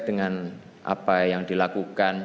dengan apa yang dilakukan